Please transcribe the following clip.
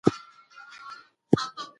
په انټرنیټ کې هیڅ محدودیت نشته.